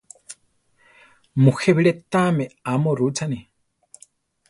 Mujé biré tamé amo rutzane.